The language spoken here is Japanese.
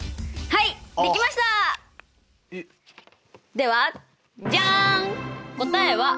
ではジャン！